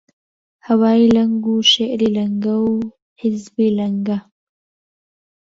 هەوای لەنگ و شیعری لەنگە و حیزبی لەنگە: